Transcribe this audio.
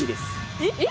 えっ？